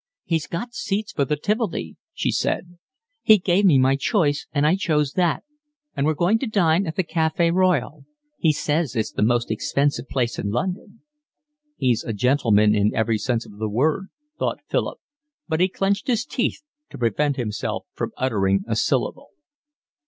"He's got seats for the Tivoli," she said. "He gave me my choice and I chose that. And we're going to dine at the Cafe Royal. He says it's the most expensive place in London." "He's a gentleman in every sense of the word," thought Philip, but he clenched his teeth to prevent himself from uttering a syllable.